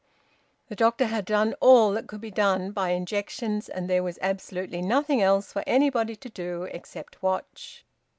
The doctor had done all that could be done by injections, and there was absolutely nothing else for anybody to do except watch.